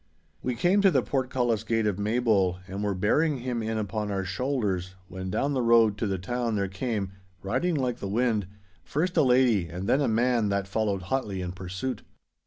We came to the portcullis gate of Maybole, and were bearing him in upon our shoulders, when down the road to the town there came, riding like the wind, first a lady and then a man that followed hotly in pursuit.